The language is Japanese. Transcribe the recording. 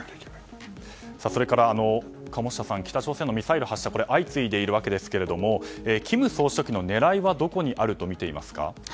それから鴨下さん、北朝鮮のミサイル発射が相次いでいますが金総書記の狙いはどこにあるとみていますか。